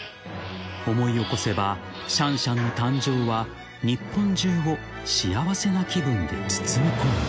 ［思い起こせばシャンシャンの誕生は日本中を幸せな気分で包み込んだ］